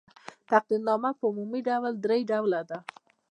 تقدیرنامه په عمومي ډول درې ډوله ده.